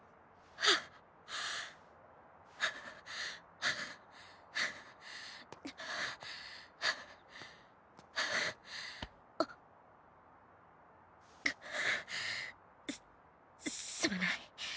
はぁすすまない。